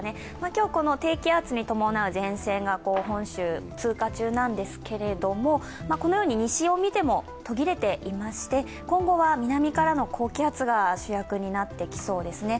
今日、低気圧に伴う前線が本州を通過中なんですけれども、このように西を見ても途切れていまして今後は南からの高気圧が主役になってきそうですね。